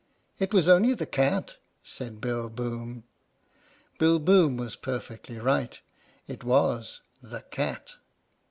" It was only the cat," said Bill Boom. Bill Boom was perfectly right. It was the " cat."